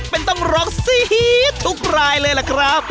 เป็นต้องร้องซี๊ดทุกรายเลยล่ะครับ